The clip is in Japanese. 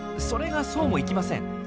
それがそうもいきません。